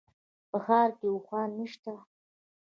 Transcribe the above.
په ښار کي اوښان نشته